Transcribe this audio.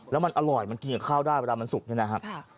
แล้วมันอร่อยมันกินกับข้าวได้เวลามันสุกเนี่ยนะครับ